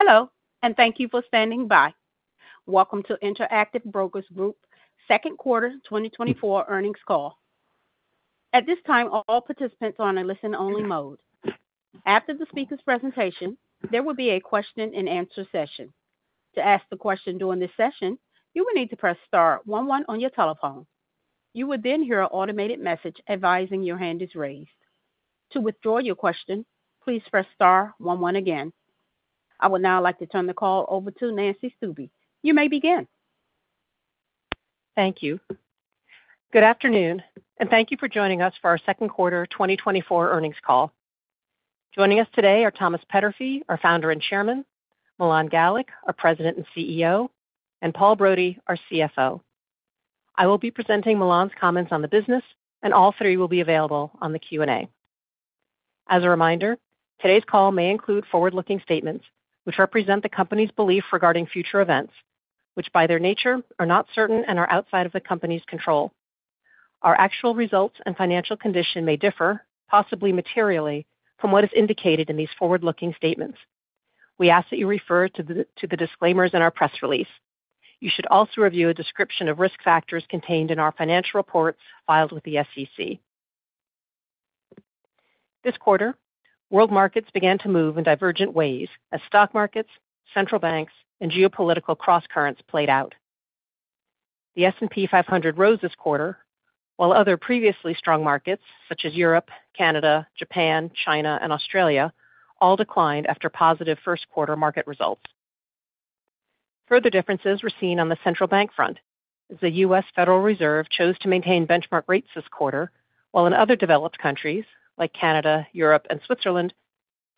Hello, and thank you for standing by. Welcome to Interactive Brokers Group's second quarter 2024 earnings call. At this time, all participants are on a listen-only mode. After the speaker's presentation, there will be a question-and-answer session. To ask the question during this session, you will need to press star one one on your telephone. You will then hear an automated message advising your hand is raised. To withdraw your question, please press star one one again. I would now like to turn the call over to Nancy Stuebe. You may begin. Thank you. Good afternoon, and thank you for joining us for our second quarter 2024 earnings call. Joining us today are Thomas Peterffy, our founder and chairman, Milan Galik, our President and CEO, and Paul Brody, our CFO. I will be presenting Milan's comments on the business, and all three will be available on the Q&A. As a reminder, today's call may include forward-looking statements which represent the company's belief regarding future events, which, by their nature, are not certain and are outside of the company's control. Our actual results and financial condition may differ, possibly materially, from what is indicated in these forward-looking statements. We ask that you refer to the disclaimers in our press release. You should also review a description of risk factors contained in our financial reports filed with the SEC. This quarter, world markets began to move in divergent ways as stock markets, central banks, and geopolitical crosscurrents played out. The S&P 500 rose this quarter, while other previously strong markets such as Europe, Canada, Japan, China, and Australia, all declined after positive first quarter market results. Further differences were seen on the central bank front, as the US Federal Reserve chose to maintain benchmark rates this quarter, while in other developed countries like Canada, Europe, and Switzerland,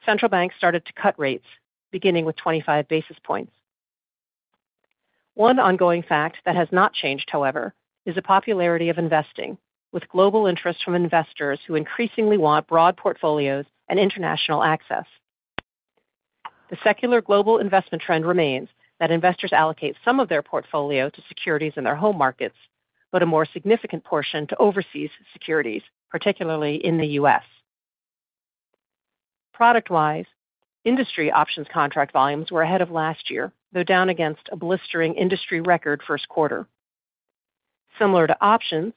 central banks started to cut rates, beginning with 25 basis points. One ongoing fact that has not changed, however, is the popularity of investing, with global interest from investors who increasingly want broad portfolios and international access. The secular global investment trend remains that investors allocate some of their portfolio to securities in their home markets, but a more significant portion to overseas securities, particularly in the US. Product-wise, industry options contract volumes were ahead of last year, though down against a blistering industry record first quarter. Similar to options,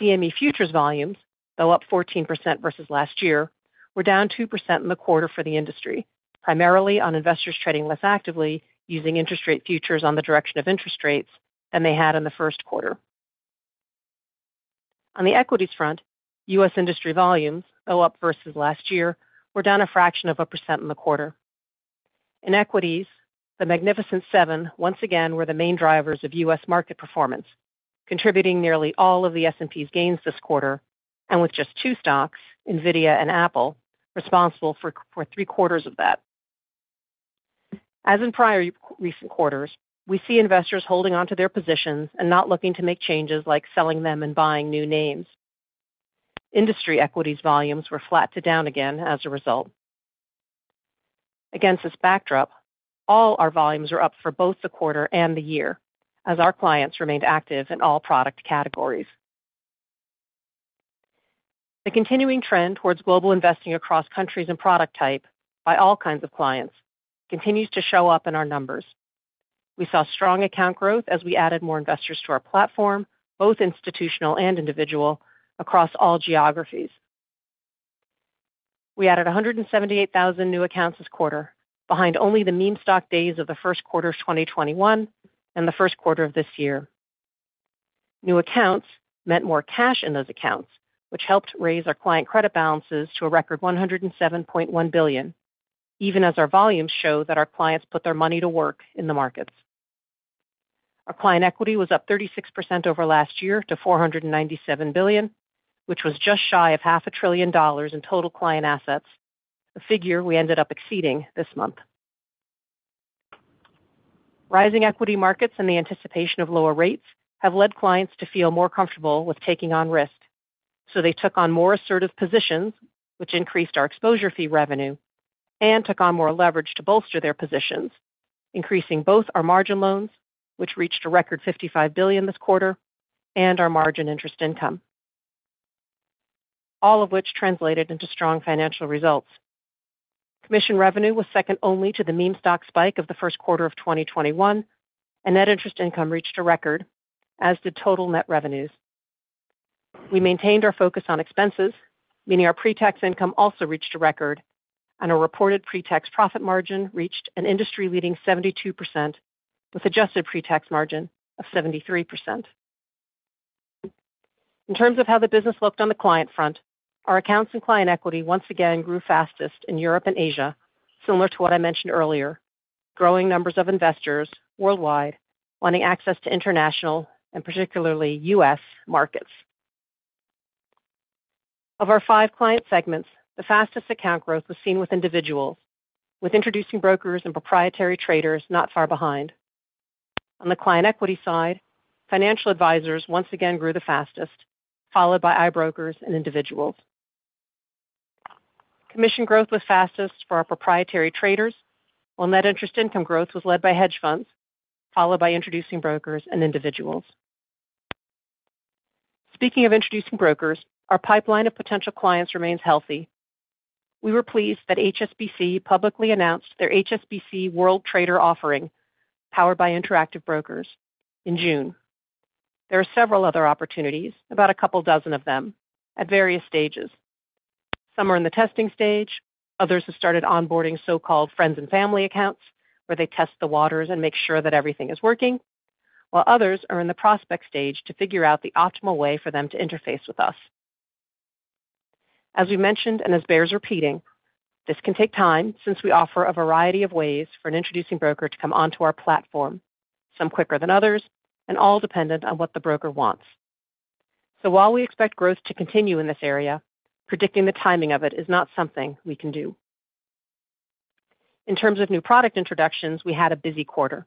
CME futures volumes, though up 14% versus last year, were down 2% in the quarter for the industry, primarily on investors trading less actively using interest rate futures on the direction of interest rates than they had in the first quarter. On the equities front, U.S. industry volumes, though up versus last year, were down a fraction of a percent in the quarter. In equities, the Magnificent Seven once again were the main drivers of U.S. market performance, contributing nearly all of the S&P's gains this quarter, and with just two stocks, NVIDIA and Apple, responsible for three-quarters of that. As in prior recent quarters, we see investors holding onto their positions and not looking to make changes like selling them and buying new names. Industry equities volumes were flat to down again as a result. Against this backdrop, all our volumes are up for both the quarter and the year, as our clients remained active in all product categories. The continuing trend towards global investing across countries and product type by all kinds of clients continues to show up in our numbers. We saw strong account growth as we added more investors to our platform, both institutional and individual, across all geographies. We added 178,000 new accounts this quarter, behind only the meme stock days of the first quarter of 2021 and the first quarter of this year. New accounts meant more cash in those accounts, which helped raise our client credit balances to a record $107.1 billion, even as our volumes show that our clients put their money to work in the markets. Our client equity was up 36% over last year to $497 billion, which was just shy of $500 billion in total client assets, a figure we ended up exceeding this month. Rising equity markets and the anticipation of lower rates have led clients to feel more comfortable with taking on risk, so they took on more assertive positions, which increased our exposure fee revenue, and took on more leverage to bolster their positions, increasing both our margin loans, which reached a record $55 billion this quarter, and our margin interest income. All of which translated into strong financial results. Commission revenue was second only to the meme stock spike of the first quarter of 2021, and net interest income reached a record, as did total net revenues. We maintained our focus on expenses, meaning our pre-tax income also reached a record, and our reported pre-tax profit margin reached an industry-leading 72%, with adjusted pre-tax margin of 73%. In terms of how the business looked on the client front, our accounts and client equity once again grew fastest in Europe and Asia, similar to what I mentioned earlier, growing numbers of investors worldwide wanting access to international and particularly US markets. Of our five client segments, the fastest account growth was seen with individuals, with introducing brokers and proprietary traders not far behind. On the client equity side, financial advisors once again grew the fastest, followed by I-Brokers and individuals. Commission growth was fastest for our proprietary traders, while net interest income growth was led by hedge funds, followed by introducing brokers and individuals.... Speaking of introducing brokers, our pipeline of potential clients remains healthy. We were pleased that HSBC publicly announced their HSBC WorldTrader offering, powered by Interactive Brokers, in June. There are several other opportunities, about a couple dozen of them, at various stages. Some are in the testing stage, others have started onboarding so-called friends and family accounts, where they test the waters and make sure that everything is working, while others are in the prospect stage to figure out the optimal way for them to interface with us. As we mentioned, and it bears repeating, this can take time since we offer a variety of ways for an introducing broker to come onto our platform, some quicker than others, and all dependent on what the broker wants. So while we expect growth to continue in this area, predicting the timing of it is not something we can do. In terms of new product introductions, we had a busy quarter.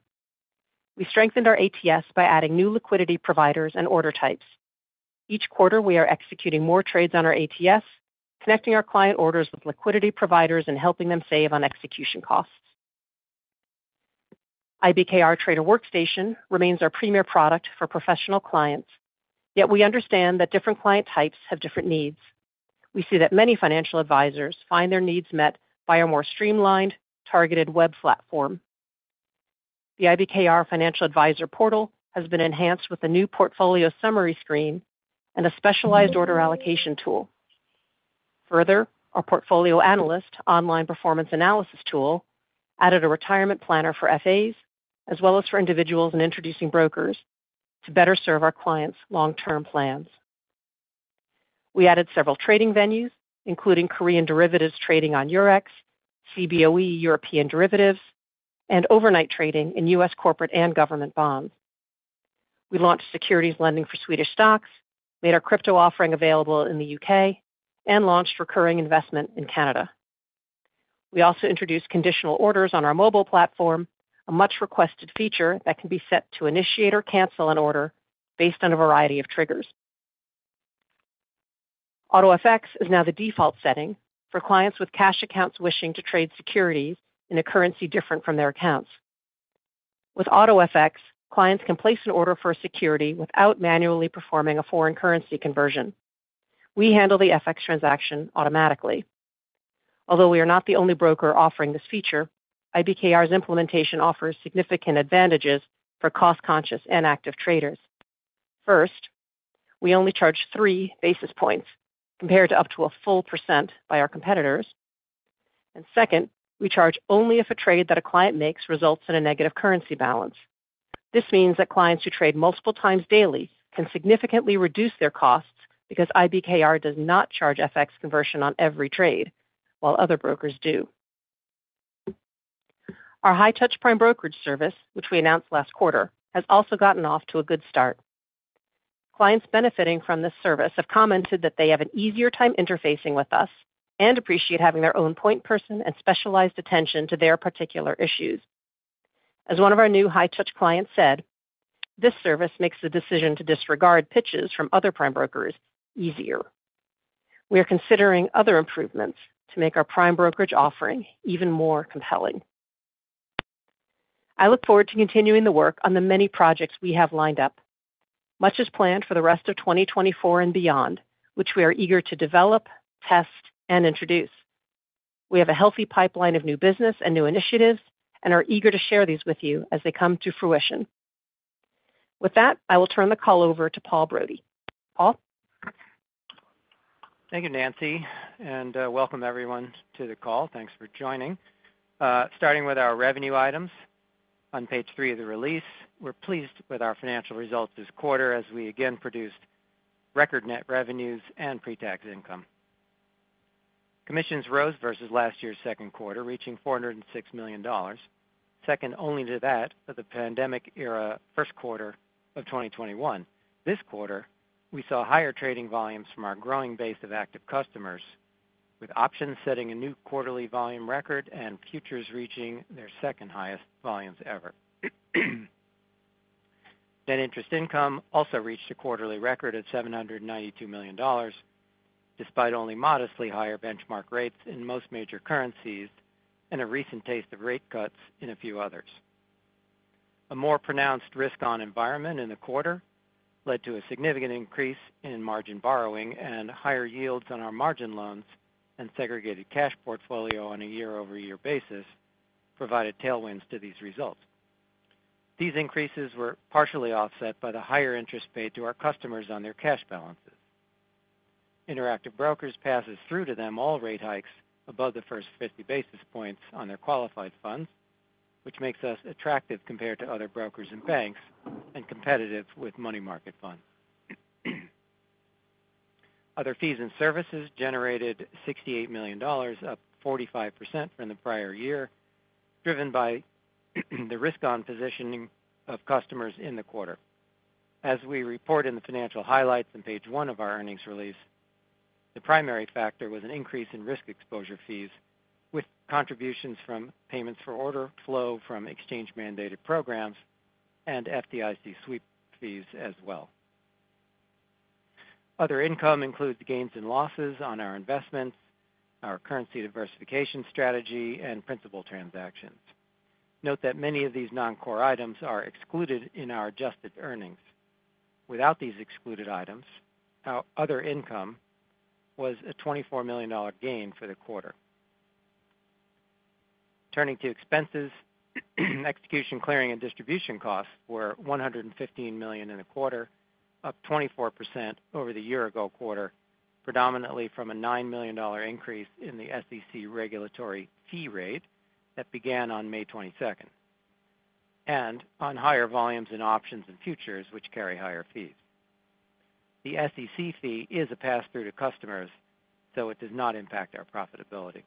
We strengthened our ATS by adding new liquidity providers and order types. Each quarter, we are executing more trades on our ATS, connecting our client orders with liquidity providers and helping them save on execution costs. IBKR Trader Workstation remains our premier product for professional clients, yet we understand that different client types have different needs. We see that many financial advisors find their needs met by a more streamlined, targeted web platform. The IBKR Financial Advisor Portal has been enhanced with a new portfolio summary screen and a specialized order allocation tool. Further, our PortfolioAnalyst online performance analysis tool added a retirement planner for FAs, as well as for individuals and introducing brokers, to better serve our clients' long-term plans. We added several trading venues, including Korean derivatives trading on Eurex, Cboe European Derivatives, and overnight trading in US corporate and government bonds. We launched securities lending for Swedish stocks, made our crypto offering available in the UK, and launched recurring investment in Canada. We also introduced conditional orders on our mobile platform, a much-requested feature that can be set to initiate or cancel an order based on a variety of triggers. AutoFX is now the default setting for clients with cash accounts wishing to trade securities in a currency different from their accounts. With AutoFX, clients can place an order for a security without manually performing a foreign currency conversion. We handle the FX transaction automatically. Although we are not the only broker offering this feature, IBKR's implementation offers significant advantages for cost-conscious and active traders. First, we only charge three basis points, compared to up to a full percent by our competitors. And second, we charge only if a trade that a client makes results in a negative currency balance. This means that clients who trade multiple times daily can significantly reduce their costs because IBKR does not charge FX conversion on every trade, while other brokers do. Our high-touch prime brokerage service, which we announced last quarter, has also gotten off to a good start. Clients benefiting from this service have commented that they have an easier time interfacing with us and appreciate having their own point person and specialized attention to their particular issues. As one of our new high-touch clients said, "This service makes the decision to disregard pitches from other prime brokers easier." We are considering other improvements to make our prime brokerage offering even more compelling. I look forward to continuing the work on the many projects we have lined up. Much is planned for the rest of 2024 and beyond, which we are eager to develop, test, and introduce. We have a healthy pipeline of new business and new initiatives and are eager to share these with you as they come to fruition. With that, I will turn the call over to Paul Brody. Paul? Thank you, Nancy, and welcome everyone to the call. Thanks for joining. Starting with our revenue items on page 3 of the release, we're pleased with our financial results this quarter as we again produced record net revenues and pre-tax income. Commissions rose versus last year's second quarter, reaching $406 million, second only to that of the pandemic-era first quarter of 2021. This quarter, we saw higher trading volumes from our growing base of active customers, with options setting a new quarterly volume record and futures reaching their second highest volumes ever. Net interest income also reached a quarterly record at $792 million, despite only modestly higher benchmark rates in most major currencies and a recent taste of rate cuts in a few others. A more pronounced risk-on environment in the quarter led to a significant increase in margin borrowing and higher yields on our margin loans and segregated cash portfolio on a year-over-year basis, provided tailwinds to these results. These increases were partially offset by the higher interest paid to our customers on their cash balances. Interactive Brokers passes through to them all rate hikes above the first 50 basis points on their qualified funds, which makes us attractive compared to other brokers and banks, and competitive with money market funds. Other fees and services generated $68 million, up 45% from the prior year, driven by the risk-on positioning of customers in the quarter. As we report in the financial highlights on page one of our earnings release, the primary factor was an increase in risk exposure fees, with contributions from payments for order flow from exchange-mandated programs and FDIC sweep fees as well. Other income includes gains and losses on our investments, our currency diversification strategy, and principal transactions. Note that many of these non-core items are excluded in our adjusted earnings. Without these excluded items, our other income was a $24 million gain for the quarter. Turning to expenses, execution, clearing, and distribution costs were $115 million in a quarter, up 24% over the year ago quarter, predominantly from a $9 million increase in the SEC regulatory fee rate that began on May 22, and on higher volumes in options and futures, which carry higher fees. The SEC fee is a pass-through to customers, so it does not impact our profitability.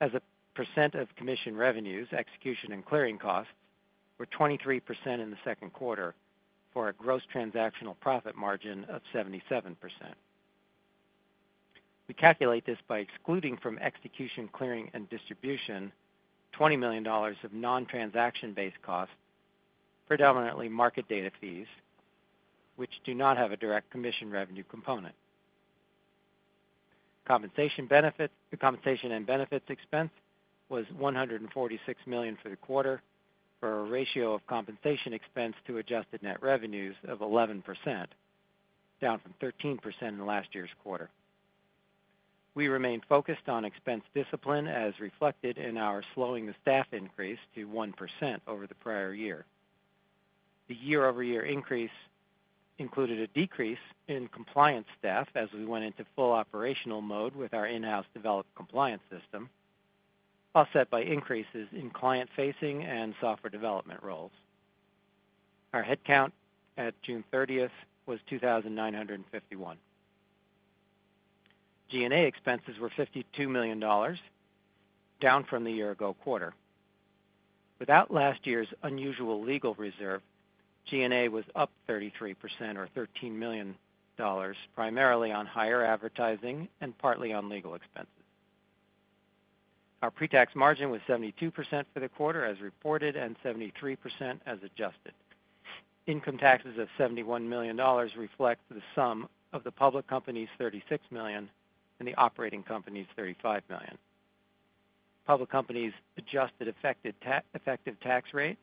As a percent of commission revenues, execution and clearing costs were 23% in the second quarter for a gross transactional profit margin of 77%. We calculate this by excluding from execution, clearing, and distribution, $20 million of non-transaction based costs, predominantly market data fees, which do not have a direct commission revenue component. Compensation benefits, the compensation and benefits expense was $146 million for the quarter, for a ratio of compensation expense to adjusted net revenues of 11%, down from 13% in last year's quarter. We remain focused on expense discipline, as reflected in our slowing the staff increase to 1% over the prior year. The year-over-year increase included a decrease in compliance staff as we went into full operational mode with our in-house developed compliance system, offset by increases in client-facing and software development roles. Our headcount at June 30 was 2,951. G&A expenses were $52 million, down from the year ago quarter. Without last year's unusual legal reserve, G&A was up 33% or $13 million, primarily on higher advertising and partly on legal expenses. Our pre-tax margin was 72% for the quarter as reported, and 73% as adjusted. Income taxes of $71 million reflect the sum of the public company's $36 million and the operating company's $35 million. Public company's adjusted effective tax rate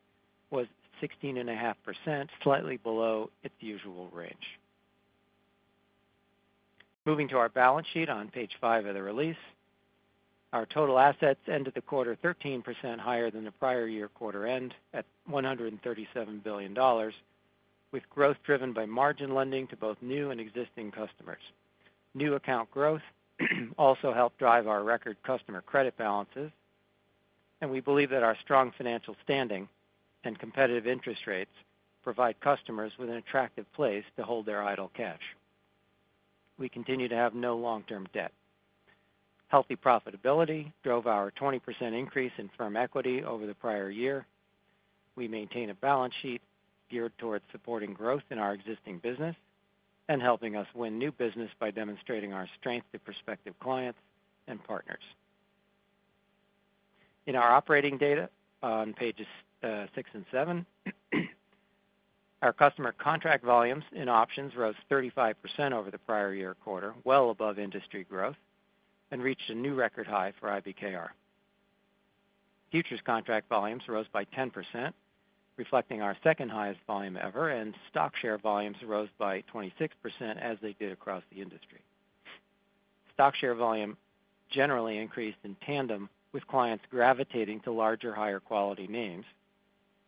was 16.5%, slightly below its usual range. Moving to our balance sheet on page 5 of the release, our total assets ended the quarter 13% higher than the prior year quarter end, at $137 billion, with growth driven by margin lending to both new and existing customers. New account growth also helped drive our record customer credit balances, and we believe that our strong financial standing and competitive interest rates provide customers with an attractive place to hold their idle cash. We continue to have no long-term debt. Healthy profitability drove our 20% increase in firm equity over the prior year. We maintain a balance sheet geared towards supporting growth in our existing business and helping us win new business by demonstrating our strength to prospective clients and partners. In our operating data on pages six and seven, our customer contract volumes in options rose 35% over the prior year quarter, well above industry growth, and reached a new record high for IBKR. Futures contract volumes rose by 10%, reflecting our second-highest volume ever, and stock share volumes rose by 26%, as they did across the industry. Stock share volume generally increased in tandem with clients gravitating to larger, higher quality names,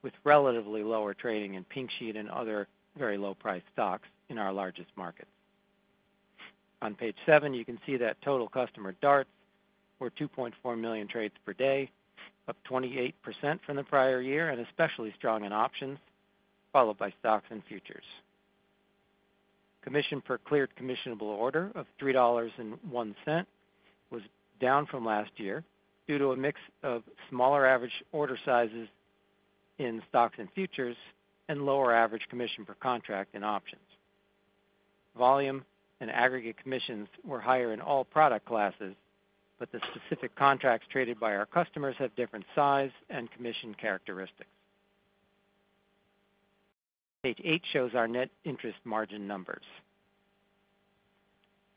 with relatively lower trading in Pink Sheet and other very low-priced stocks in our largest markets. On page seven, you can see that total customer DARTs were 2.4 million trades per day, up 28% from the prior year, and especially strong in options, followed by stocks and futures. Commission per cleared commissionable order of $3.01 was down from last year due to a mix of smaller average order sizes in stocks and futures and lower average commission per contract in options. Volume and aggregate commissions were higher in all product classes, but the specific contracts traded by our customers have different size and commission characteristics. Page 8 shows our net interest margin numbers.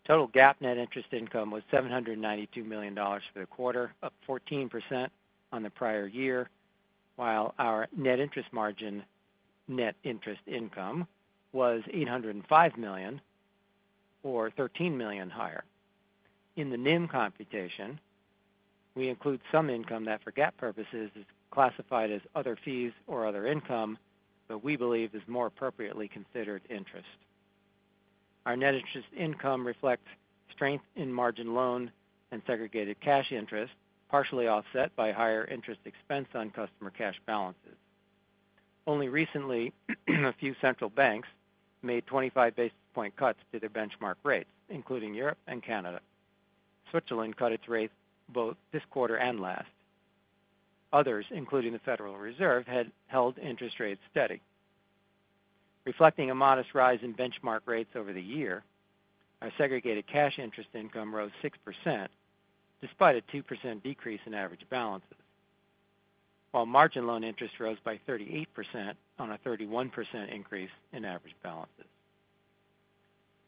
Total GAAP net interest income was $792 million for the quarter, up 14% on the prior year, while our net interest margin, net interest income was $805 million or $13 million higher. In the NIM computation, we include some income that, for GAAP purposes, is classified as other fees or other income, but we believe is more appropriately considered interest. Our net interest income reflects strength in margin loan and segregated cash interest, partially offset by higher interest expense on customer cash balances. Only recently, a few central banks made 25 basis point cuts to their benchmark rates, including Europe and Canada. Switzerland cut its rates both this quarter and last. Others, including the Federal Reserve, had held interest rates steady. Reflecting a modest rise in benchmark rates over the year, our segregated cash interest income rose 6%, despite a 2% decrease in average balances, while margin loan interest rose by 38% on a 31% increase in average balances.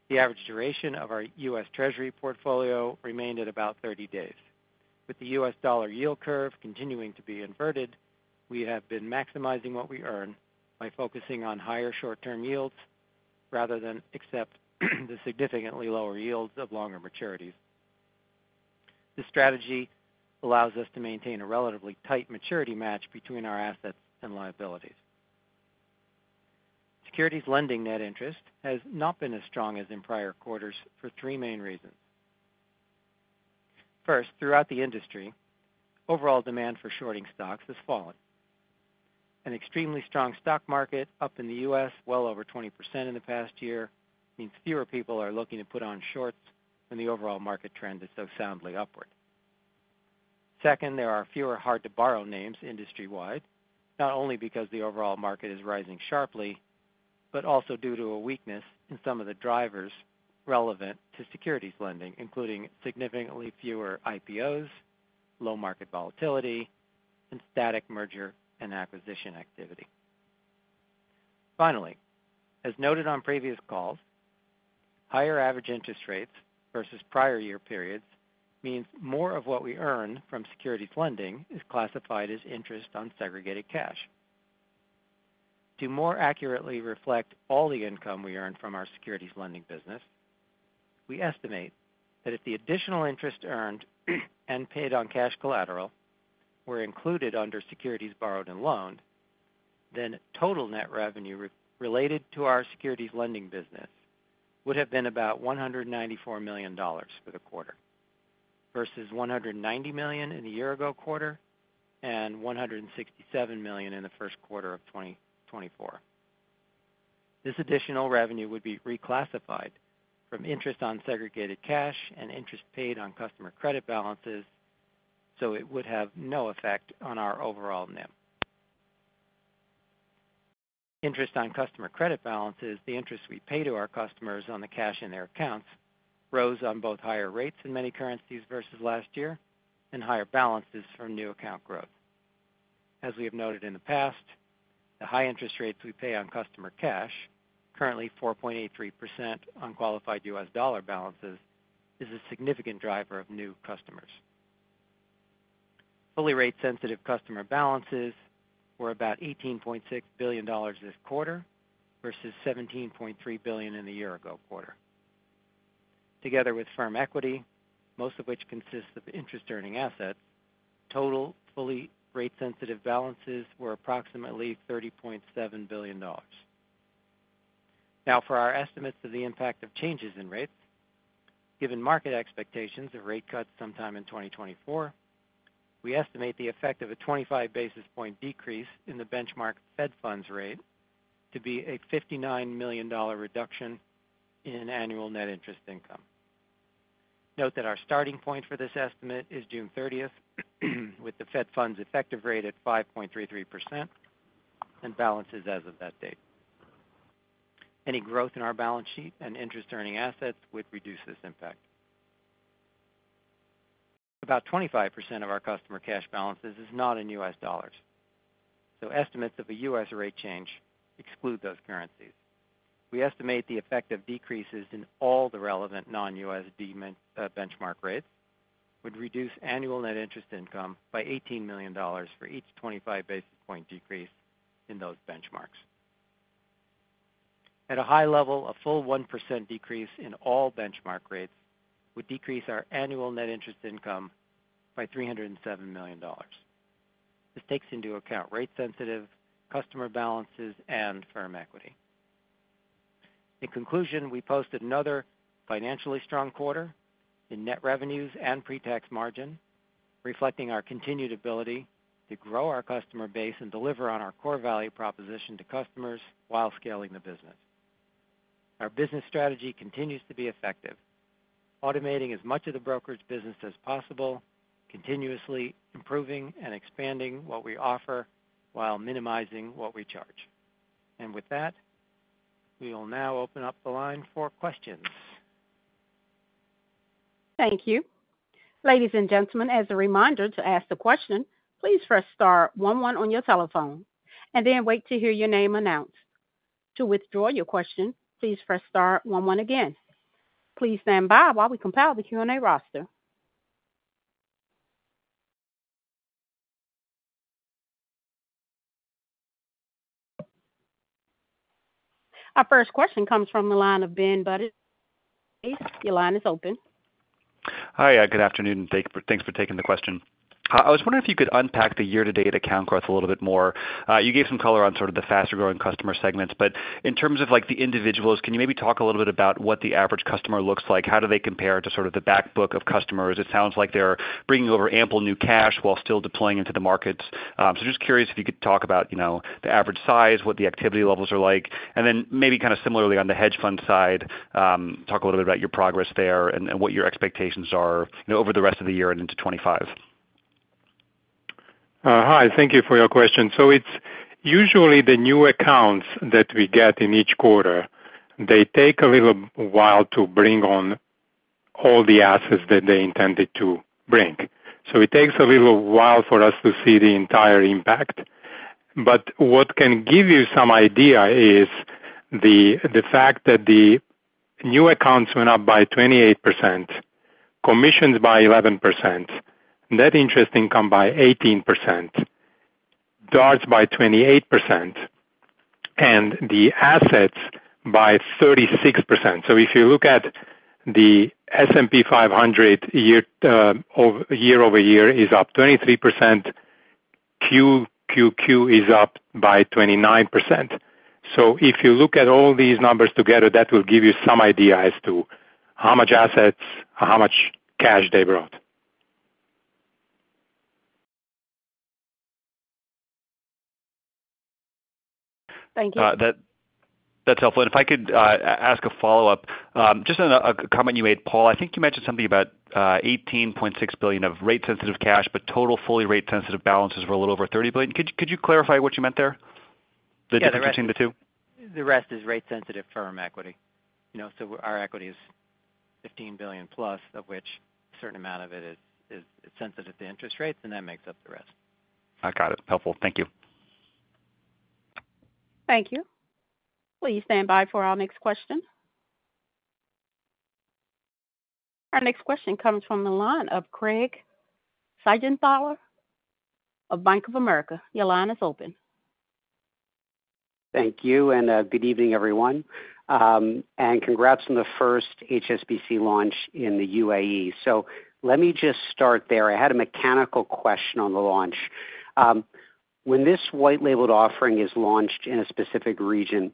The average duration of our U.S. Treasury portfolio remained at about 30 days. With the U.S. dollar yield curve continuing to be inverted, we have been maximizing what we earn by focusing on higher short-term yields rather than accept the significantly lower yields of longer maturities. This strategy allows us to maintain a relatively tight maturity match between our assets and liabilities. Securities lending net interest has not been as strong as in prior quarters for three main reasons. First, throughout the industry, overall demand for shorting stocks has fallen. An extremely strong stock market, up in the U.S., well over 20% in the past year, means fewer people are looking to put on shorts when the overall market trend is so soundly upward. Second, there are fewer hard-to-borrow names industry-wide, not only because the overall market is rising sharply, but also due to a weakness in some of the drivers relevant to securities lending, including significantly fewer IPOs, low market volatility, and static merger and acquisition activity. Finally, as noted on previous calls, higher average interest rates versus prior year periods means more of what we earn from securities lending is classified as interest on segregated cash. To more accurately reflect all the income we earn from our securities lending business, we estimate that if the additional interest earned and paid on cash collateral were included under securities borrowed and loaned, then total net revenue related to our securities lending business would have been about $194 million for the quarter, versus $190 million in the year-ago quarter and $167 million in the first quarter of 2024. This additional revenue would be reclassified from interest on segregated cash and interest paid on customer credit balances, so it would have no effect on our overall NIM. Interest on customer credit balances, the interest we pay to our customers on the cash in their accounts, rose on both higher rates in many currencies versus last year and higher balances from new account growth. As we have noted in the past, the high interest rates we pay on customer cash, currently 4.83% on qualified US dollar balances, is a significant driver of new customers. Fully rate-sensitive customer balances were about $18.6 billion this quarter versus $17.3 billion in the year ago quarter. Together with firm equity, most of which consists of interest-earning assets, total fully rate-sensitive balances were approximately $30.7 billion. Now, for our estimates of the impact of changes in rates, given market expectations of rate cuts sometime in 2024, we estimate the effect of a 25 basis point decrease in the benchmark Fed funds rate to be a $59 million reduction in annual net interest income. Note that our starting point for this estimate is June13th, with the Fed funds effective rate at 5.33% and balances as of that date. Any growth in our balance sheet and interest-earning assets would reduce this impact. About 25% of our customer cash balances is not in US dollars, so estimates of a US rate change exclude those currencies. We estimate the effect of decreases in all the relevant non-USD benchmark rates would reduce annual net interest income by $18 million for each 25 basis point decrease in those benchmarks. At a high level, a full 1% decrease in all benchmark rates would decrease our annual net interest income by $307 million. This takes into account rate sensitive customer balances and firm equity. In conclusion, we posted another financially strong quarter in net revenues and pre-tax margin, reflecting our continued ability to grow our customer base and deliver on our core value proposition to customers while scaling the business. Our business strategy continues to be effective, automating as much of the brokerage business as possible, continuously improving and expanding what we offer while minimizing what we charge. With that, we will now open up the line for questions. Thank you. Ladies and gentlemen, as a reminder to ask the question, please press star one one on your telephone and then wait to hear your name announced. To withdraw your question, please press star one one again. Please stand by while we compile the Q&A roster. Our first question comes from the line of Ben Budish. Your line is open. Hi, good afternoon, and thanks for taking the question. I was wondering if you could unpack the year-to-date account growth a little bit more. You gave some color on sort of the faster growing customer segments, but in terms of, like, the individuals, can you maybe talk a little bit about what the average customer looks like? How do they compare to sort of the back book of customers? It sounds like they're bringing over ample new cash while still deploying into the markets. So just curious if you could talk about, you know, the average size, what the activity levels are like, and then maybe kind of similarly on the hedge fund side, talk a little bit about your progress there and what your expectations are, you know, over the rest of the year and into 2025. Hi, thank you for your question. So it's usually the new accounts that we get in each quarter, they take a little while to bring on all the assets that they intended to bring. So it takes a little while for us to see the entire impact. But what can give you some idea is the fact that the new accounts went up by 28%, commissions by 11%, net interest income by 18%, DARTs by 28%, and the assets by 36%. So if you look at the S&P 500 year-over-year is up 23%, QQQ is up by 29%. So if you look at all these numbers together, that will give you some idea as to how much assets, how much cash they brought. Thank you. That's helpful. And if I could ask a follow-up. Just a comment you made, Paul, I think you mentioned something about $18.6 billion of rate sensitive cash, but total fully rate sensitive balances were a little over $30 billion. Could you clarify what you meant there, the difference between the two? Yeah, the rest, the rest is rate sensitive firm equity. You know, so our equity is $15 billion plus, of which a certain amount of it is, is sensitive to interest rates, and that makes up the rest. I got it. Helpful. Thank you. Thank you. Please stand by for our next question. Our next question comes from the line of Craig Siegenthaler of Bank of America. Your line is open. Thank you, and good evening, everyone. And congrats on the first HSBC launch in the UAE. So let me just start there. I had a mechanical question on the launch. When this white labeled offering is launched in a specific region,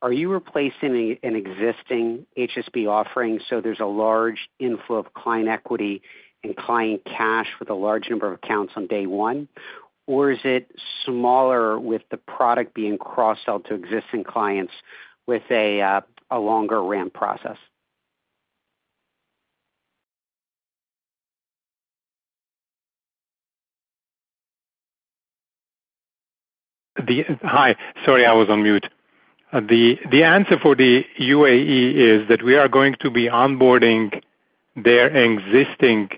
are you replacing an existing HSBC offering, so there's a large inflow of client equity and client cash with a large number of accounts on day one? Or is it smaller, with the product being cross-sell to existing clients with a longer ramp process? Hi. Sorry, I was on mute. The answer for the UAE is that we are going to be onboarding their existing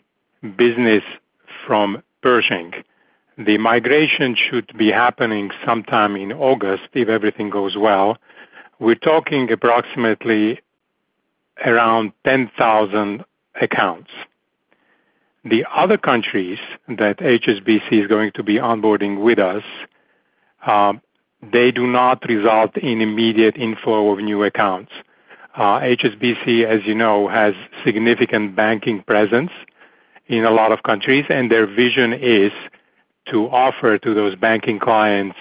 business from Pershing. The migration should be happening sometime in August, if everything goes well. We're talking approximately around 10,000 accounts. The other countries that HSBC is going to be onboarding with us, they do not result in immediate inflow of new accounts. HSBC, as you know, has significant banking presence in a lot of countries, and their vision is to offer to those banking clients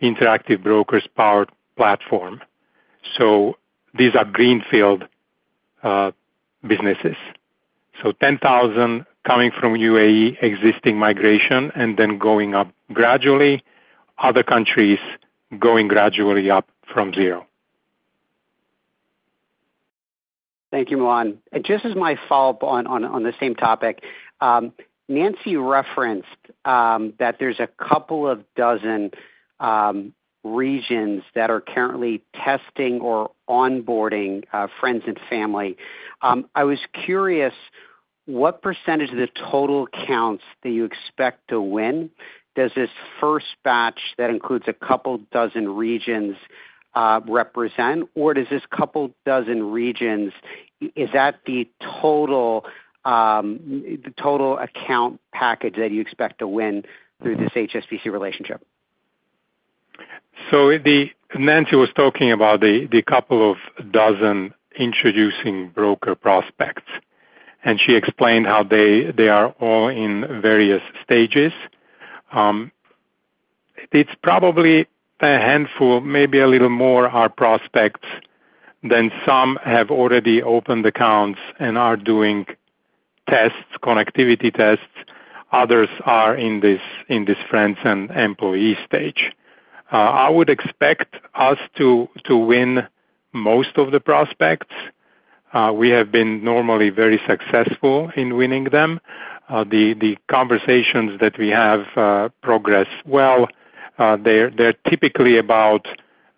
Interactive Brokers' power platform. So these are greenfield businesses. So 10,000 coming from UAE, existing migration, and then going up gradually. Other countries, going gradually up from zero. Thank you, Milan. Just as my follow-up on the same topic, Nancy referenced that there's a couple of dozen regions that are currently testing or onboarding friends and family. I was curious, what percentage of the total accounts do you expect to win? Does this first batch that includes a couple dozen regions represent, or does this couple dozen regions, is that the total account package that you expect to win through this HSBC relationship? So, Nancy was talking about the couple of dozen introducing broker prospects, and she explained how they are all in various stages. It's probably a handful, maybe a little more, are prospects, then some have already opened accounts and are doing tests, connectivity tests. Others are in this friends and employee stage. I would expect us to win most of the prospects. We have been normally very successful in winning them. The conversations that we have progress well, they're typically about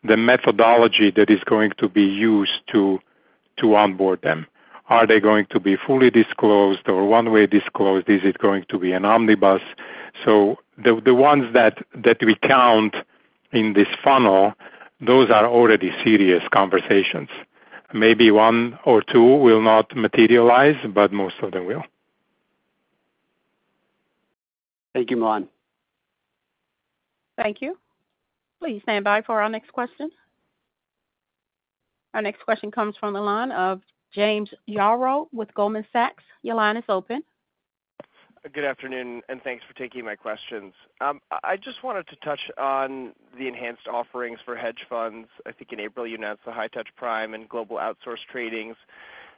the methodology that is going to be used to onboard them. Are they going to be fully disclosed or one-way disclosed? Is it going to be an omnibus? So the ones that we count in this funnel, those are already serious conversations. Maybe one or two will not materialize, but most of them will. Thank you, Milan. Thank you. Please stand by for our next question. Our next question comes from the line of James Yaro with Goldman Sachs. Your line is open. Good afternoon, and thanks for taking my questions. I just wanted to touch on the enhanced offerings for hedge funds. I think in April, you announced the High Touch Prime and Global Outsourced Trading.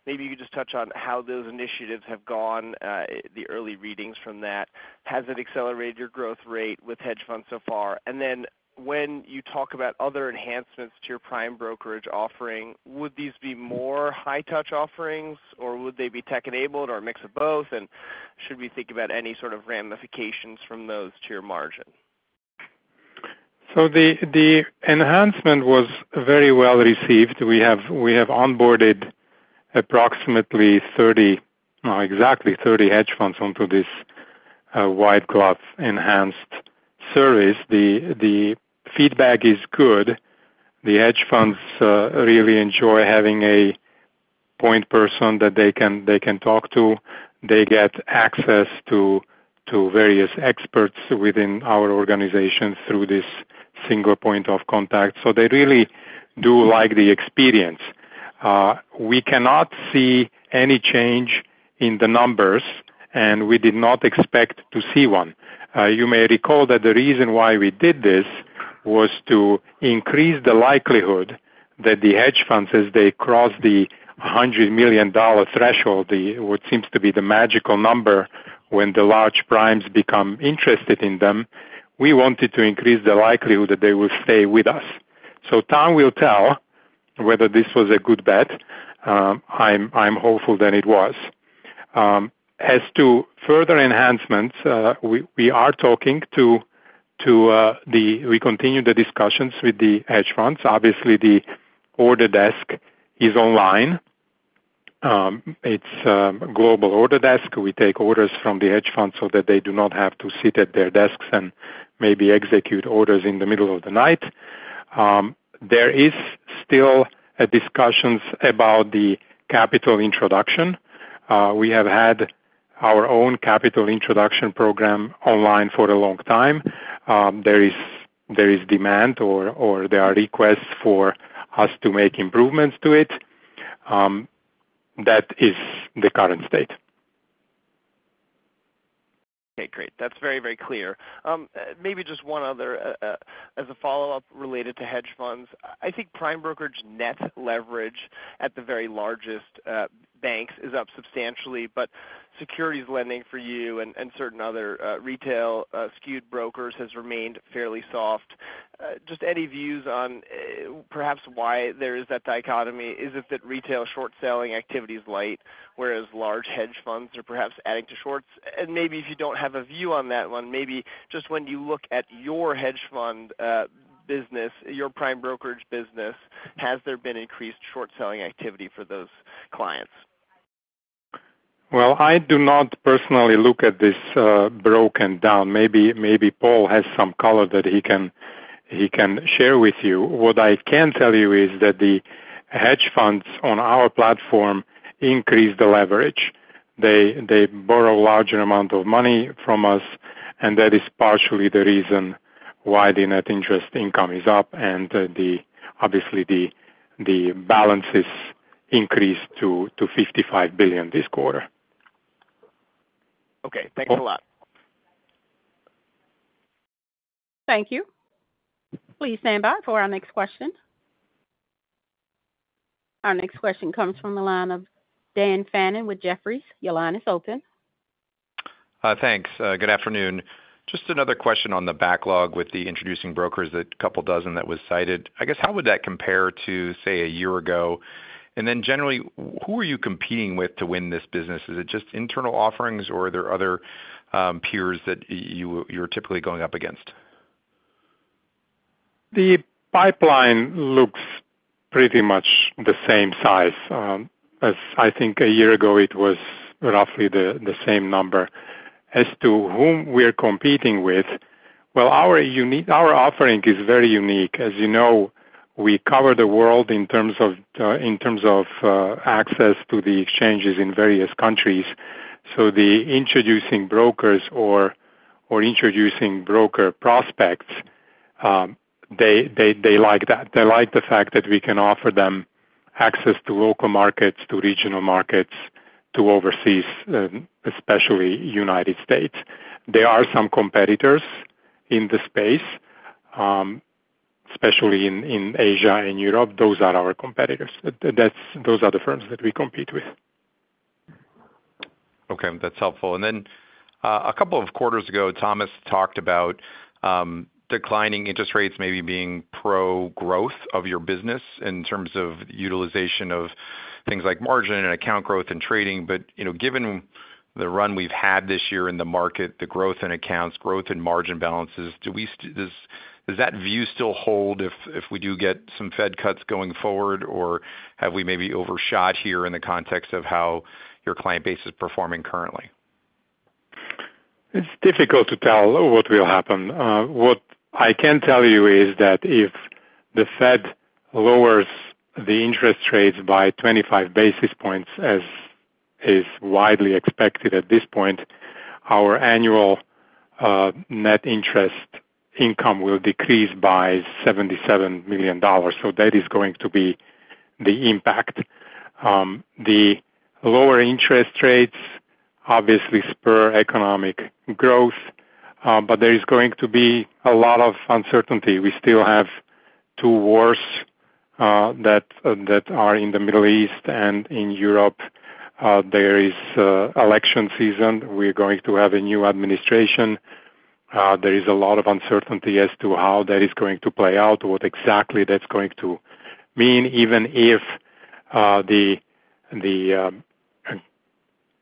Maybe you could just touch on how those initiatives have gone, the early readings from that. Has it accelerated your growth rate with hedge funds so far? And then when you talk about other enhancements to your prime brokerage offering, would these be more high touch offerings, or would they be tech-enabled, or a mix of both? And should we think about any sort of ramifications from those to your margin? So the enhancement was very well received. We have onboarded approximately 30, exactly 30 hedge funds onto this white glove enhanced service. The feedback is good. The hedge funds really enjoy having a point person that they can talk to. They get access to various experts within our organization through this single point of contact, so they really do like the experience. We cannot see any change in the numbers, and we did not expect to see one. You may recall that the reason why we did this was to increase the likelihood that the hedge funds, as they cross the $100 million threshold, what seems to be the magical number, when the large primes become interested in them, we wanted to increase the likelihood that they will stay with us. So time will tell whether this was a good bet. I'm hopeful that it was. As to further enhancements, we continue the discussions with the hedge funds. Obviously, the order desk is online. It's a global order desk. We take orders from the hedge funds so that they do not have to sit at their desks and maybe execute orders in the middle of the night. There are still discussions about the capital introduction. We have had our own capital introduction program online for a long time. There is demand or there are requests for us to make improvements to it. That is the current state. Okay, great. That's very, very clear. Maybe just one other as a follow-up related to hedge funds. I think prime brokerage net leverage at the very largest banks is up substantially, but securities lending for you and certain other retail skewed brokers has remained fairly soft. Just any views on perhaps why there is that dichotomy? Is it that retail short-selling activity is light, whereas large hedge funds are perhaps adding to shorts? And maybe if you don't have a view on that one, maybe just when you look at your hedge fund business, your prime brokerage business, has there been increased short-selling activity for those clients? Well, I do not personally look at this broken down. Maybe Paul has some color that he can share with you. What I can tell you is that the hedge funds on our platform increase the leverage. They borrow larger amount of money from us, and that is partially the reason why the net interest income is up and, obviously, the balances increased to $55 billion this quarter. Okay. Thanks a lot. Thank you. Please stand by for our next question. Our next question comes from the line of Dan Fannon with Jefferies. Your line is open. Thanks. Good afternoon. Just another question on the backlog with the Introducing Brokers, that couple dozen that was cited. I guess, how would that compare to, say, a year ago? And then generally, who are you competing with to win this business? Is it just internal offerings, or are there other peers that you, you're typically going up against? The pipeline looks pretty much the same size. As I think a year ago, it was roughly the same number. As to whom we're competing with, well, our unique, our offering is very unique. As you know, we cover the world in terms of access to the exchanges in various countries. So the introducing brokers or introducing broker prospects, they like that. They like the fact that we can offer them access to local markets, to regional markets, to overseas, especially United States. There are some competitors in the space, especially in Asia and Europe. Those are our competitors. That's, those are the firms that we compete with. Okay, that's helpful. And then, a couple of quarters ago, Thomas talked about declining interest rates maybe being pro-growth of your business in terms of utilization of things like margin and account growth and trading. But, you know, given the run we've had this year in the market, the growth in accounts, growth in margin balances, does that view still hold if we do get some Fed cuts going forward, or have we maybe overshot here in the context of how your client base is performing currently? It's difficult to tell what will happen. What I can tell you is that if the Fed lowers the interest rates by 25 basis points, as is widely expected at this point, our annual net interest income will decrease by $77 million. So that is going to be the impact. The lower interest rates obviously spur economic growth, but there is going to be a lot of uncertainty. We still have two wars that are in the Middle East and in Europe. There is election season. We're going to have a new administration. There is a lot of uncertainty as to how that is going to play out, what exactly that's going to mean, even if the...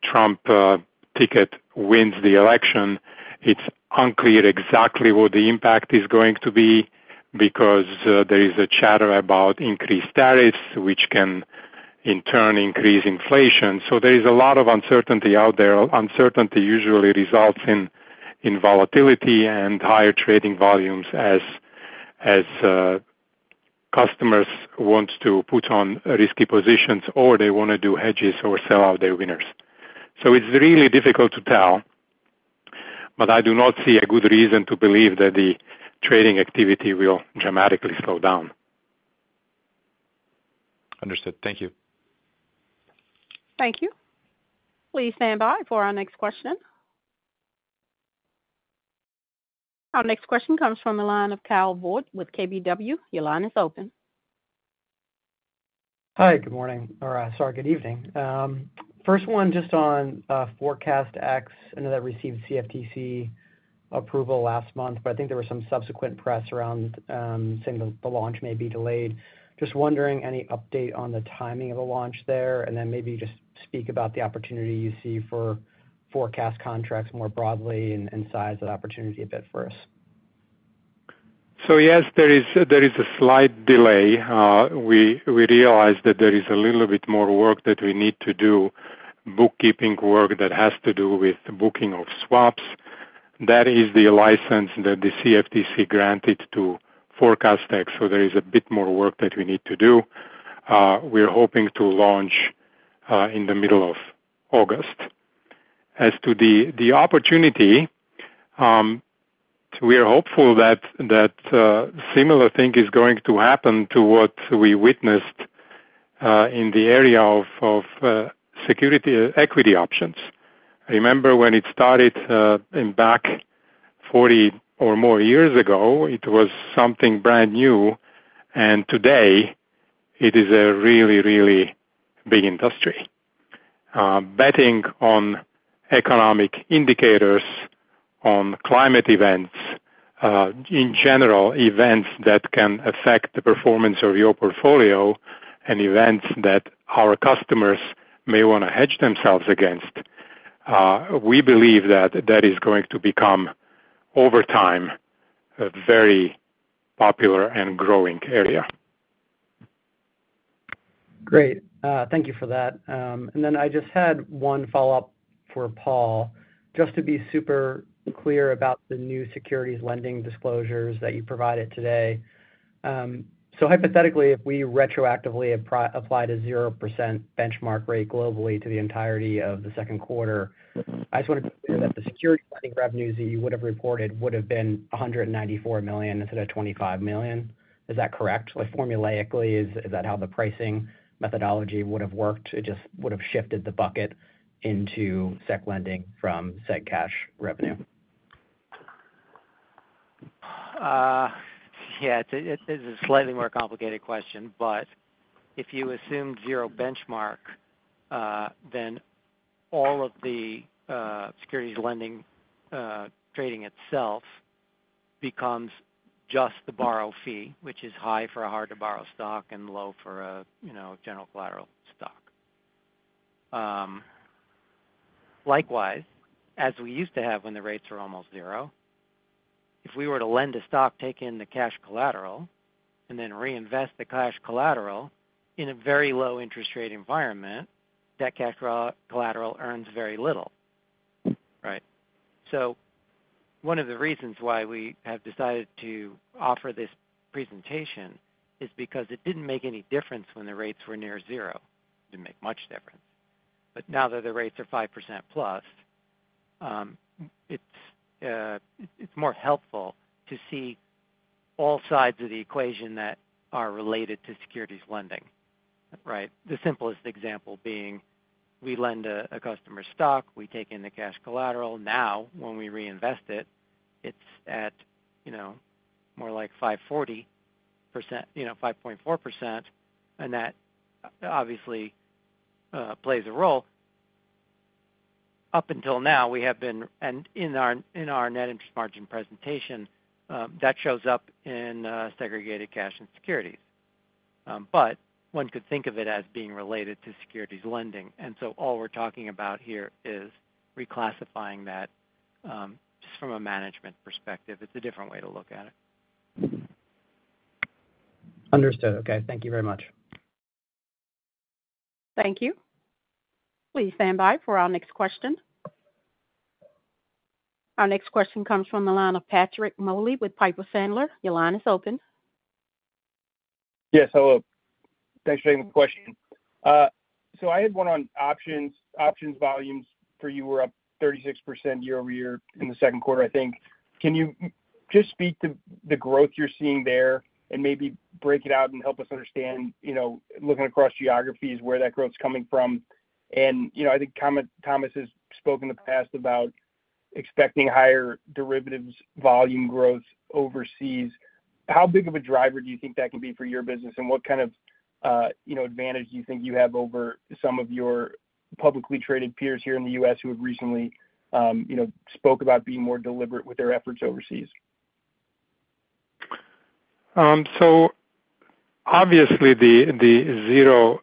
Trump ticket wins the election, it's unclear exactly what the impact is going to be because there is a chatter about increased tariffs, which can in turn increase inflation. So there is a lot of uncertainty out there. Uncertainty usually results in volatility and higher trading volumes as customers want to put on risky positions, or they want to do hedges or sell out their winners. So it's really difficult to tell, but I do not see a good reason to believe that the trading activity will dramatically slow down. Understood. Thank you. Thank you. Please stand by for our next question. Our next question comes from the line of Kyle Voigt with KBW. Your line is open. Hi, good morning, or sorry, good evening. First one, just on ForecastEx. I know that received CFTC approval last month, but I think there was some subsequent press around saying the launch may be delayed. Just wondering, any update on the timing of the launch there? And then maybe just speak about the opportunity you see for forecast contracts more broadly and size that opportunity a bit for us. So yes, there is a slight delay. We realized that there is a little bit more work that we need to do, bookkeeping work that has to do with the booking of swaps. That is the license that the CFTC granted to ForecastEx, so there is a bit more work that we need to do. We're hoping to launch in the middle of August. As to the opportunity, we are hopeful that a similar thing is going to happen to what we witnessed in the area of securities equity options. I remember when it started in back forty or more years ago, it was something brand new, and today it is a really, really big industry. Betting on economic indicators, on climate events, in general, events that can affect the performance of your portfolio and events that our customers may wanna hedge themselves against, we believe that that is going to become, over time, a very popular and growing area. Great. Thank you for that. And then I just had one follow-up for Paul, just to be super clear about the new securities lending disclosures that you provided today. So hypothetically, if we retroactively apply to 0% benchmark rate globally to the entirety of the second quarter, I just want to that the securities funding revenues that you would have reported would have been $194 million instead of $25 million. Is that correct? Like, formulaically, is that how the pricing methodology would have worked? It just would have shifted the bucket into sec lending from sec cash revenue. Yeah, it's a slightly more complicated question, but if you assume zero benchmark, then all of the securities lending trading itself becomes just the borrow fee, which is high for a hard-to-borrow stock and low for a, you know, general collateral stock. Likewise, as we used to have when the rates were almost zero, if we were to lend a stock, take in the cash collateral, and then reinvest the cash collateral in a very low interest rate environment, that cash collateral earns very little, right? So one of the reasons why we have decided to offer this presentation is because it didn't make any difference when the rates were near zero. Didn't make much difference. But now that the rates are 5% plus, it's more helpful to see all sides of the equation that are related to securities lending, right? The simplest example being, we lend a customer stock, we take in the cash collateral. Now, when we reinvest it, it's at, you know, more like 5.4%, you know, 5.4%, and that obviously plays a role. Up until now, we have been and in our net interest margin presentation, that shows up in segregated cash and securities. But one could think of it as being related to securities lending. And so all we're talking about here is reclassifying that, just from a management perspective. It's a different way to look at it. Understood. Okay. Thank you very much. Thank you. Please stand by for our next question. Our next question comes from the line of Patrick Moley with Piper Sandler. Your line is open. Yes, hello. Thanks for taking the question. So I had one on options. Options volumes for you were up 36% year-over-year in the second quarter, I think. Can you just speak to the growth you're seeing there, and maybe break it out and help us understand, you know, looking across geographies, where that growth's coming from? And, you know, I think Thomas has spoken in the past about expecting higher derivatives volume growth overseas. How big of a driver do you think that can be for your business, and what kind of, you know, advantage do you think you have over some of your publicly traded peers here in the U.S. who have recently, you know, spoke about being more deliberate with their efforts overseas? So obviously the zero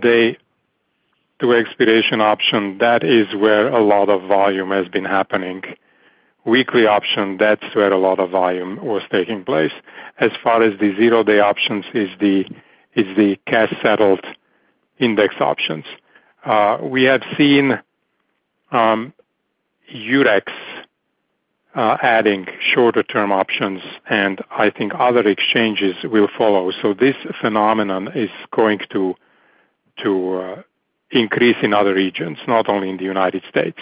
day to expiration option, that is where a lot of volume has been happening. Weekly option, that's where a lot of volume was taking place. As far as the zero day options, it is the cash-settled index options. We have seen Eurex adding shorter-term options, and I think other exchanges will follow. So this phenomenon is going to increase in other regions, not only in the United States.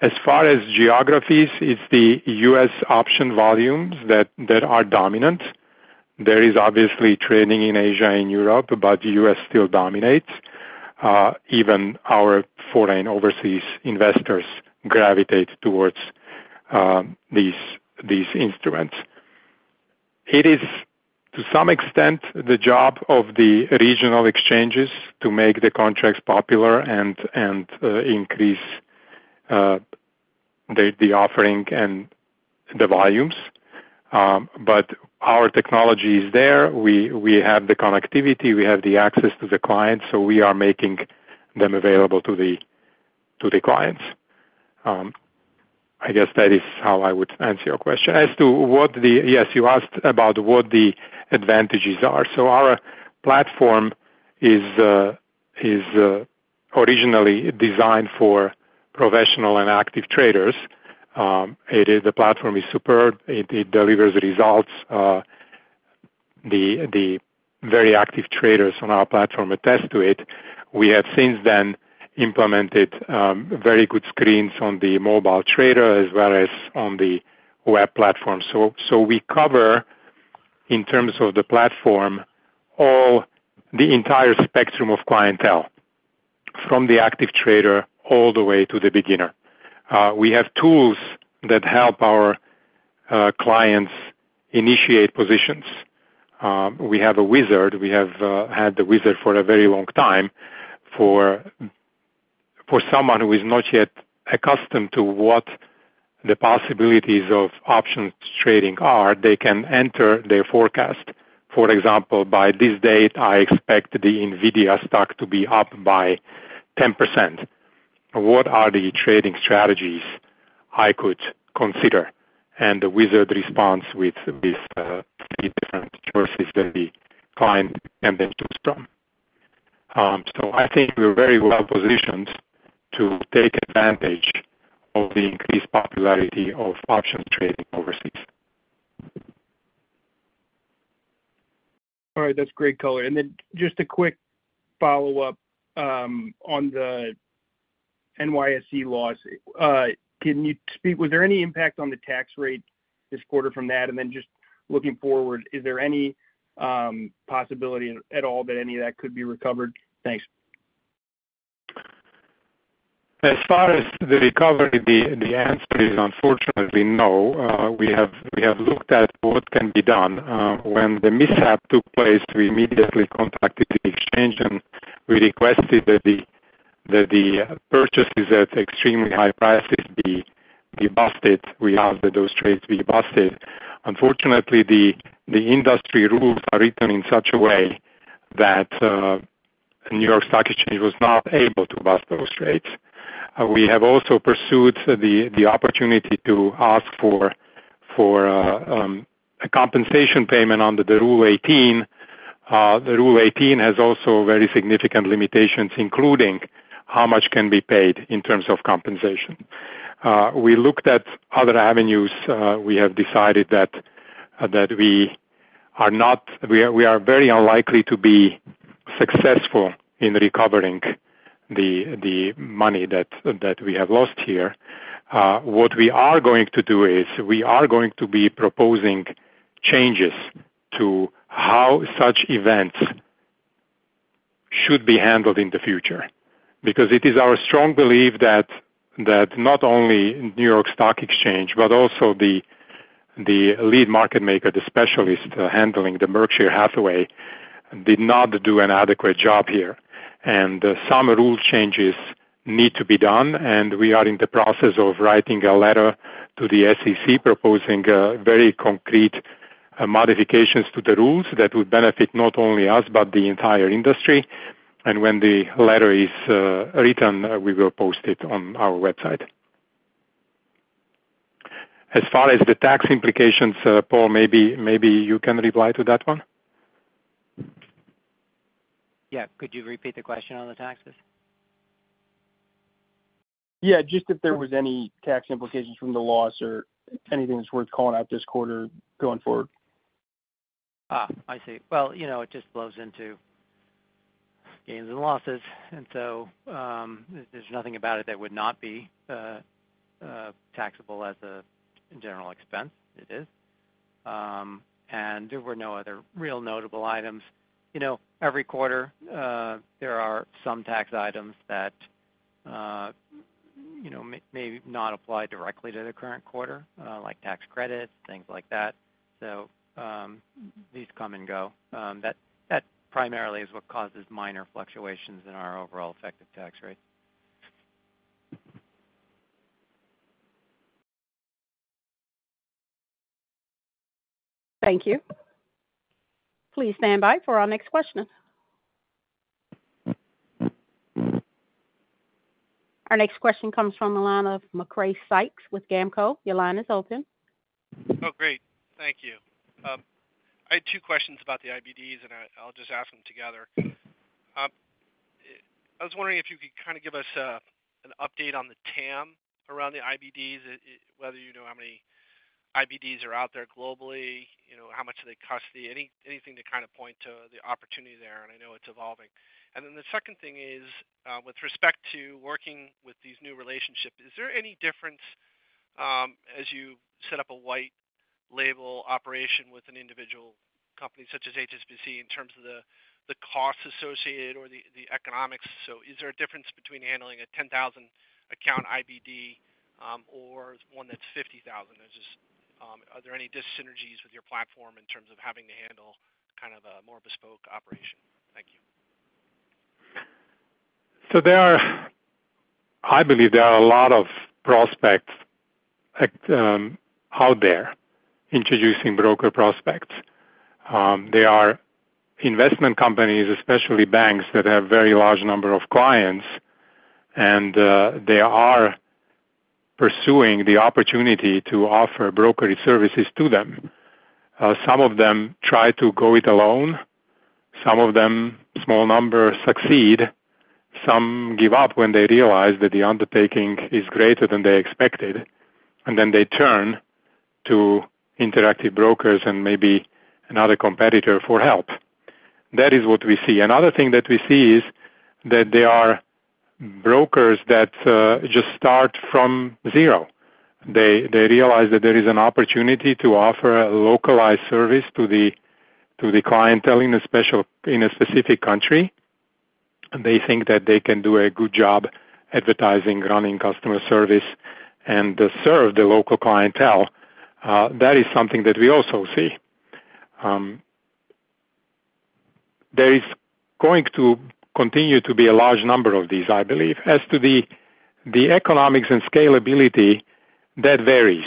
As far as geographies, it's the US option volumes that are dominant. There is obviously trading in Asia and Europe, but the US still dominates. Even our foreign overseas investors gravitate towards these instruments. It is, to some extent, the job of the regional exchanges to make the contracts popular and increase the offering and the volumes. But our technology is there. We have the connectivity, we have the access to the clients, so we are making them available to the clients. I guess that is how I would answer your question. As to what the advantages are. Yes, you asked about what the advantages are. So our platform is originally designed for professional and active traders. The platform is superb. It delivers results. The very active traders on our platform attest to it. We have since then implemented very good screens on the mobile trader as well as on the web platform. So we cover, in terms of the platform, all the entire spectrum of clientele, from the active trader all the way to the beginner. We have tools that help our clients initiate positions. We have a wizard. We have had the wizard for a very long time. For someone who is not yet accustomed to what the possibilities of options trading are, they can enter their forecast. For example, by this date, I expect the NVIDIA stock to be up by 10%. What are the trading strategies I could consider? And the wizard responds with three different choices that the client can then choose from. So I think we're very well positioned to take advantage of the increased popularity of options trading overseas. All right. That's great color. And then just a quick follow-up on the NYSE loss. Can you speak, was there any impact on the tax rate this quarter from that? And then just looking forward, is there any possibility at all that any of that could be recovered? Thanks. As far as the recovery, the answer is unfortunately, no. We have looked at what can be done. When the mishap took place, we immediately contacted the exchange, and we requested that the purchases at extremely high prices be busted. We asked that those trades be busted. Unfortunately, the industry rules are written in such a way that New York Stock Exchange was not able to bust those trades. We have also pursued the opportunity to ask for a compensation payment under the Rule 18. The Rule 18 has also very significant limitations, including how much can be paid in terms of compensation. We looked at other avenues. We have decided that we are very unlikely to be successful in recovering the money that we have lost here. What we are going to do is we are going to be proposing changes to how such events should be handled in the future. Because it is our strong belief that not only New York Stock Exchange, but also the lead market maker, the specialist handling the Berkshire Hathaway, did not do an adequate job here. And some rule changes need to be done, and we are in the process of writing a letter to the SEC, proposing very concrete modifications to the rules that would benefit not only us, but the entire industry. And when the letter is written, we will post it on our website. As far as the tax implications, Paul, maybe, maybe you can reply to that one? Yeah. Could you repeat the question on the taxes? Yeah, just if there was any tax implications from the loss or anything that's worth calling out this quarter going forward? Ah, I see. Well, you know, it just blows into gains and losses, and so, there's nothing about it that would not be taxable as a general expense. It is. And there were no other real notable items. You know, every quarter, there are some tax items that, you know, may not apply directly to the current quarter, like tax credits, things like that. So, these come and go. That primarily is what causes minor fluctuations in our overall effective tax rate. Thank you. Please stand by for our next questioner. Our next question comes from the line of Macrae Sykes with GAMCO. Your line is open. Oh, great. Thank you. I had two questions about the IBDs, and I'll just ask them together. I was wondering if you could kind of give us an update on the TAM around the IBDs, whether you know how many IBDs are out there globally, you know, how much do they cost the... Any, anything to kind of point to the opportunity there, and I know it's evolving. And then the second thing is, with respect to working with these new relationships, is there any difference, as you set up a white label operation with an individual company such as HSBC, in terms of the costs associated or the economics? So is there a difference between handling a 10,000 account IBD, or one that's 50,000? Or just, are there any dissynergies with your platform in terms of having to handle kind of a more bespoke operation? Thank you. So there are, I believe, there are a lot of prospects out there, introducing broker prospects. They are investment companies, especially banks, that have very large number of clients, and they are pursuing the opportunity to offer brokerage services to them. Some of them try to go it alone. Some of them, small number, succeed. Some give up when they realize that the undertaking is greater than they expected, and then they turn to Interactive Brokers and maybe another competitor for help. That is what we see. Another thing that we see is that there are brokers that just start from zero. They realize that there is an opportunity to offer a localized service to the clientele in a specific country. They think that they can do a good job advertising, running customer service, and to serve the local clientele. That is something that we also see. There is going to continue to be a large number of these, I believe. As to the economics and scalability, that varies.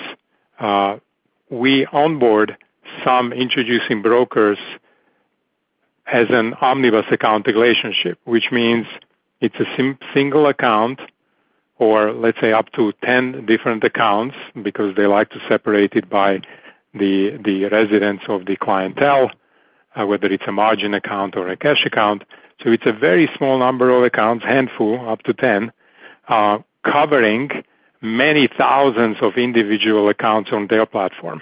We onboard some introducing brokers as an omnibus account relationship, which means it's a single account, or let's say, up to 10 different accounts, because they like to separate it by the residence of the clientele, whether it's a margin account or a cash account. So it's a very small number of accounts, handful, up to 10, covering many thousands of individual accounts on their platform.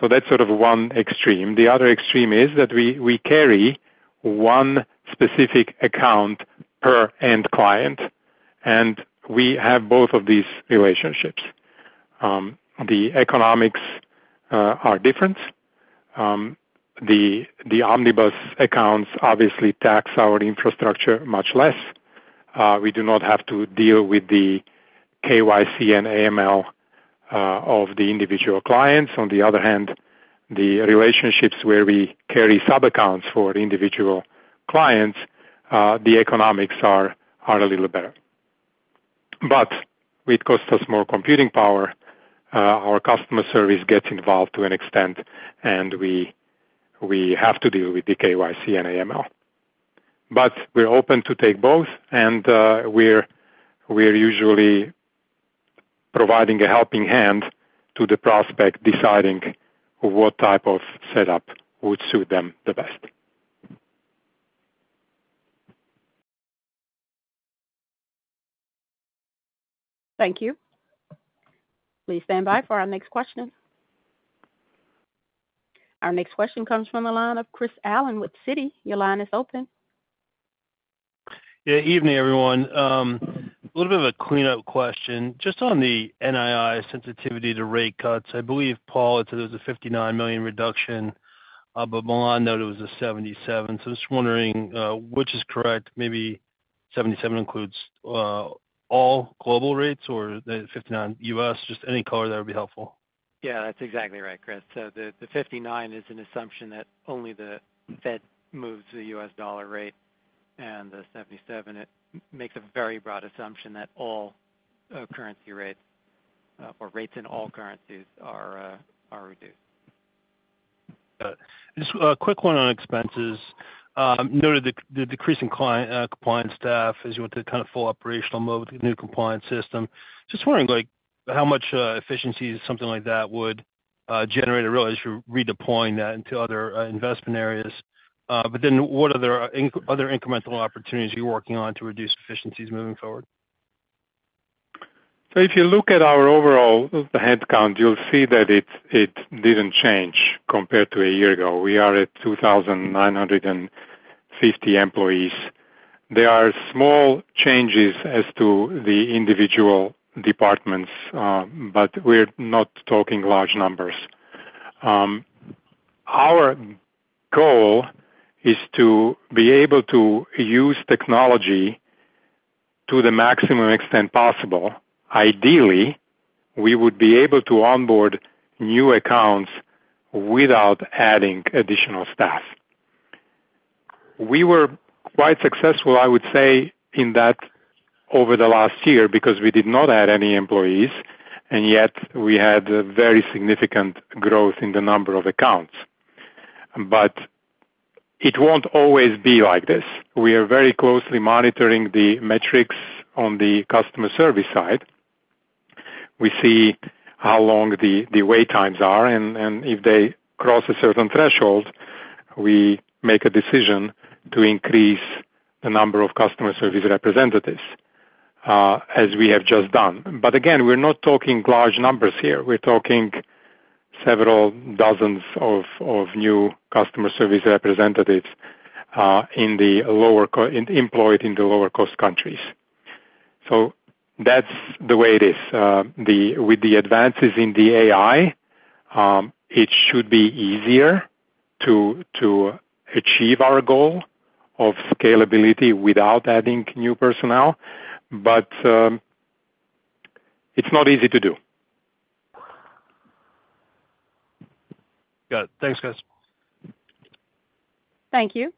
So that's sort of one extreme. The other extreme is that we carry one specific account per end client, and we have both of these relationships. The economics are different. The omnibus accounts obviously tax our infrastructure much less. We do not have to deal with the KYC and AML of the individual clients. On the other hand, the relationships where we carry subaccounts for individual clients, the economics are a little better. But it costs us more computing power, our customer service gets involved to an extent, and we have to deal with the KYC and AML. But we're open to take both, and we're usually providing a helping hand to the prospect, deciding what type of setup would suit them the best. Thank you. Please stand by for our next question. Our next question comes from the line of Chris Allen with Citi. Your line is open. Yeah, evening, everyone. A little bit of a cleanup question. Just on the NII sensitivity to rate cuts, I believe, Paul, it was a $59 million reduction, but Milan noted it was a $77 million. So just wondering, which is correct? Maybe $77 million includes all global rates or the $59 million US. Just any color, that would be helpful. Yeah, that's exactly right, Chris. So the 59 is an assumption that only the Fed moves the US dollar rate, and the 77, it makes a very broad assumption that all currency rates or rates in all currencies are reduced. Got it. Just a quick one on expenses. Noted the decrease in compliance staff as you went to kind of full operational mode with the new compliance system. Just wondering, like, how much efficiency something like that would generate or realize for redeploying that into other investment areas? But then what other incremental opportunities are you working on to reduce efficiencies moving forward? So if you look at our overall headcount, you'll see that it didn't change compared to a year ago. We are at 2,950 employees. There are small changes as to the individual departments, but we're not talking large numbers. Our goal is to be able to use technology to the maximum extent possible. Ideally, we would be able to onboard new accounts without adding additional staff. We were quite successful, I would say, in that over the last year, because we did not add any employees, and yet we had a very significant growth in the number of accounts. But it won't always be like this. We are very closely monitoring the metrics on the customer service side. We see how long the wait times are, and if they cross a certain threshold, we make a decision to increase the number of customer service representatives as we have just done. But again, we're not talking large numbers here. We're talking several dozens of new customer service representatives employed in the lower-cost countries. So that's the way it is. With the advances in the AI, it should be easier to achieve our goal of scalability without adding new personnel, but it's not easy to do. Got it. Thanks, guys. Thank you.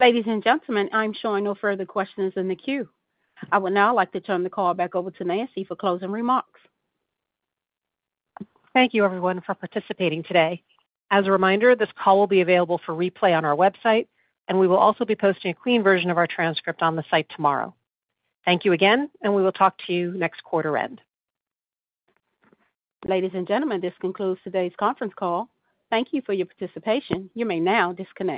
Ladies and gentlemen, I'm showing no further questions in the queue. I would now like to turn the call back over to Nancy for closing remarks. Thank you, everyone, for participating today. As a reminder, this call will be available for replay on our website, and we will also be posting a clean version of our transcript on the site tomorrow. Thank you again, and we will talk to you next quarter end. Ladies and gentlemen, this concludes today's conference call. Thank you for your participation. You may now disconnect.